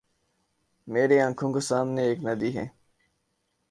میرے آنکھوں کو سامنے ایک ندی ہے